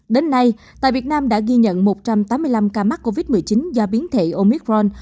đến nay tại việt nam đã ghi nhận một trăm tám mươi năm ca mắc covid một mươi chín do biến thể omicron